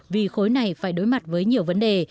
vì khối này phải đối mặt với nhiều vấn đề